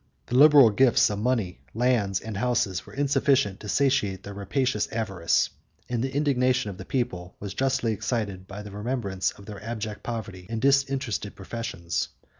The liberal gifts of money, lands, and houses, were insufficient to satiate their rapacious avarice; and the indignation of the people was justly excited by the remembrance of their abject poverty and disinterested professions.